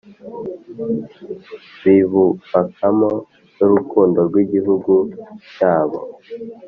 bibubakamo n’urukundo rw’igihugu cyabo